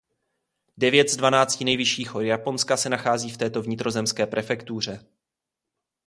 Devět z dvanácti nejvyšších hor Japonska se nachází v této vnitrozemské prefektuře.